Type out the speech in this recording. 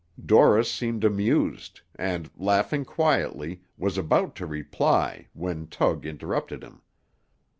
Dorris seemed amused, and, laughing quietly, was about to reply, when Tug interrupted him.